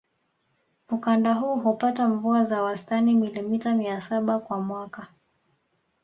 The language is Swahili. Ukanda huu hupata mvua za wastani milimita mia saba kwa mwaka